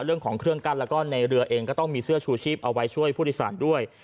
เรื่องของเครื่องกั้นแล้วก็ในเรือเองก็ต้องมีเสื้อชูชีพเอาไว้ช่วยผู้โดยสารด้วย